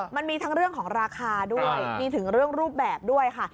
มันมีทั้งเรื่องของราคาด้วยมีถึงเรื่องรูปแบบด้วยค่ะ